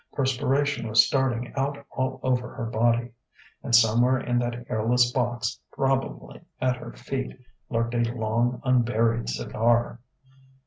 Perspiration was starting out all over her body. And somewhere in that airless box, probably at her feet, lurked a long unburied cigar.